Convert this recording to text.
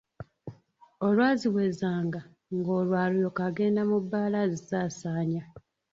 Olwaziwezanga, ng'olwo alyoka agenda mu bbaala azisaasaanya.